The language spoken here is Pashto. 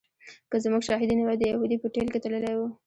که زموږ شاهدي نه وای د یهودي په ټېل کې تللی و.